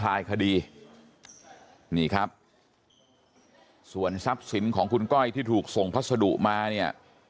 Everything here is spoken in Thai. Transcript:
ลายคดีนี่ครับส่วนทรัพย์สินของคุณก้อยที่ถูกส่งพัสดุมาเนี่ย